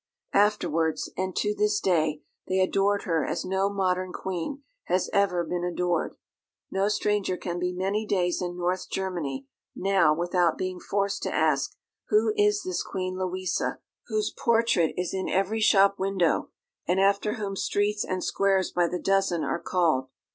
Afterwards, and to this day, they adored her as no modern queen has ever been adored. No stranger can be many days in North Germany now without being forced to ask, "Who is this Queen Louisa, whose portrait is in every shop window, and after whom streets and squares by the dozen are called?"